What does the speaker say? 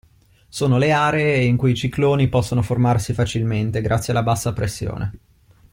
Sono le aree in cui i cicloni possono formarsi facilmente grazie alla bassa pressione.